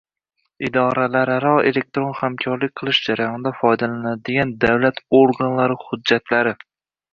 idoralararo elektron hamkorlik qilish jarayonida foydalaniladigan davlat organlari hujjatlari